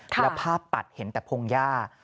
แล้วภาพตัดเห็นแต่พงหญ้า